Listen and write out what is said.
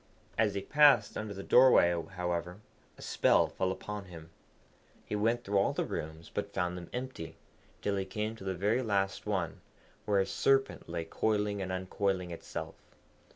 As he passed under the doorway, however, a spell fell upon him. He went through all the rooms, but found them empty, till he came to the very last one, where a Serpent lay coiling and uncoiling itself.